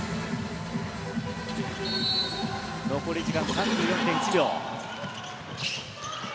残り時間３４．１秒。